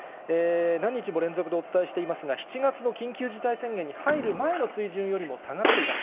何日も連続でお伝えしていますが、７月の緊急事態宣言に入る前の水準よりも下がっています。